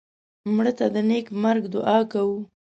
مړه ته د نیک مرګ دعا کوو